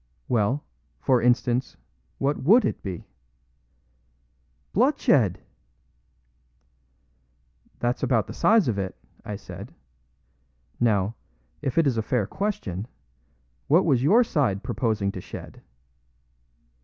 "Well, for instance, what WOULD it be?" "Bloodshed!" "That's about the size of it," I said. "Now, if it is a fair question, what was your side proposing to shed?"